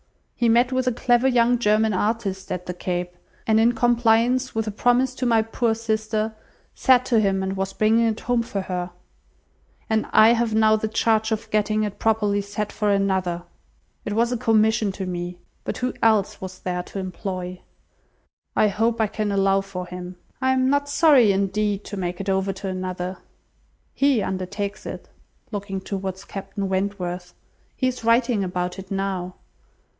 He met with a clever young German artist at the Cape, and in compliance with a promise to my poor sister, sat to him, and was bringing it home for her; and I have now the charge of getting it properly set for another! It was a commission to me! But who else was there to employ? I hope I can allow for him. I am not sorry, indeed, to make it over to another. He undertakes it;" (looking towards Captain Wentworth,) "he is writing about it now."